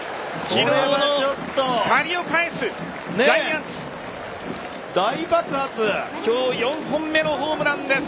今日４本目の巨人、ホームランです。